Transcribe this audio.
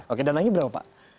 oke dananya berapa pak